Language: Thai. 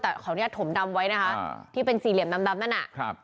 แต่ขออนุญาตถมดำไว้นะคะที่เป็นสี่เหลี่ยมดำนั่นน่ะครับ